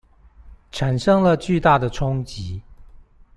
產生了巨大的衝擊